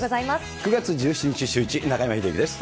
９月１７日シューイチ、中山秀征です。